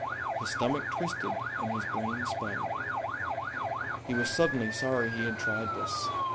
His stomach twisted and his brain spun. He was suddenly sorry he had tried this.